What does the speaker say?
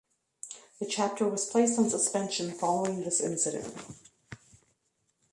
The chapter was placed on suspension following this incident.